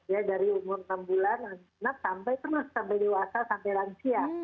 ya dari umur enam bulan anak sampai terus sampai dewasa sampai lansia